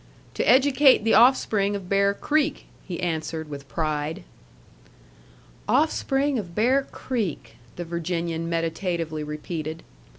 "To educate the offspring of Bear Creek," he answered with pride. "Offspring of Bear Creek," the Virginian meditatively repeated.